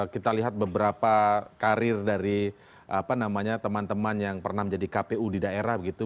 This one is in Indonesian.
kita lihat beberapa karir dari teman teman yang pernah menjadi kpu di daerah begitu